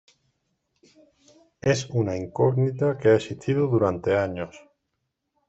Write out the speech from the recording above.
Es una incógnita que ha existido durante años.